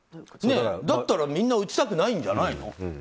だったらみんな打ちたくないんじゃないの。